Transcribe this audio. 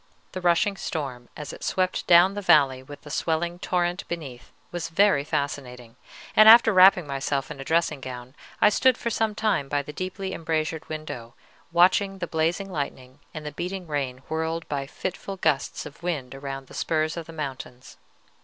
The rushing storm, as it swept down the valley with the swelling torrent beneath, was very fascinating, and after wrapping myself in a dressing gown I stood for some time by the deeply embrasured window, watching the blazing lightning and the beating rain whirled by fitful gusts of wind around the spurs of the mountains.